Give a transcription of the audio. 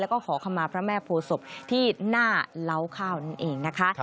แล้วก็ขอคำมาพระแม่โพศพที่หน้าเล้าข้าวนั่นเองนะคะ